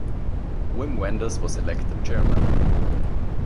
Wim Wenders was elected Chairman.